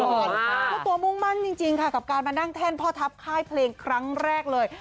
เจ้าตัวมุ่งมั่นจริงค่ะกับการมานั่งแท่นพ่อทัพค่ายเพลงครั้งแรกเลย